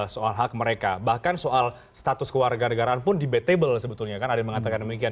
soal hak mereka bahkan soal status keluarga negaraan pun debatable sebetulnya kan ada yang mengatakan demikian